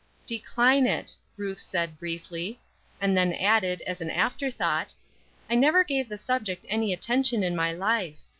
"Decline it," Ruth said, briefly. And then added, as an after thought, "I never gave the subject any attention in my life.